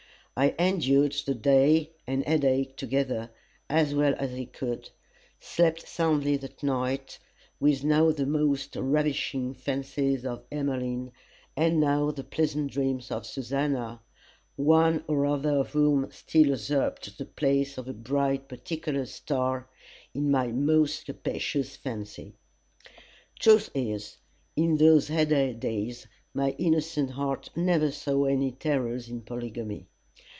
I endured the day and headache together, as well as I could, slept soundly that night, with now the most ravishing fancies of Emmeline, and now the pleasant dreams of Susannah, one or other of whom still usurped the place of a bright particular star in my most capacious fancy. Truth is, in those heyday days, my innocent heart never saw any terrors in polygamy.